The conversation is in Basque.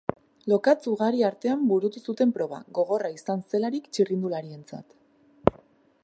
Lokatz ugari artean burutu zuten proba, gogorra izan zelarik txirrindularientzat.